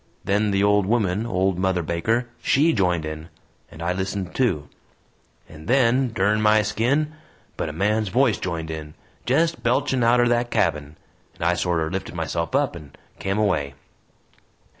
Then the old woman old Mother Baker SHE joined in, and I listened too. And then dern my skin! but a man's voice joined in jest belching outer that cabin! and I sorter lifted myself up and kem away.